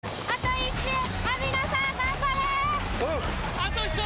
あと１人！